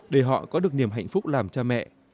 để họ có được niềm hạnh phúc làm cha mẹ